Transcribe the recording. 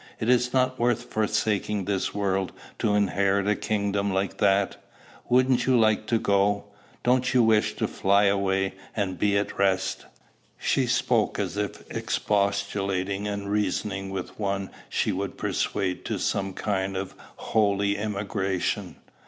Is it not worth forsaking this world to inherit a kingdom like that? Wouldn't you like to go? Don't you wish to fly away and be at rest?" She spoke as if expostulating and reasoning with one she would persuade to some kind of holy emigration.